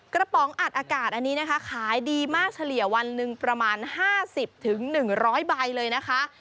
ป๋องอัดอากาศอันนี้นะคะขายดีมากเฉลี่ยวันหนึ่งประมาณ๕๐๑๐๐ใบเลยนะคะ